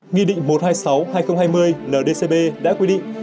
nghị định một trăm hai mươi sáu hai nghìn hai mươi ndcp đã quy định